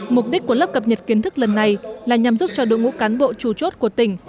mục đích của lớp cập nhật kiến thức lần này là nhằm giúp cho đội ngũ cán bộ chủ chốt của tỉnh